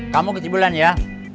kamu kecibulan ya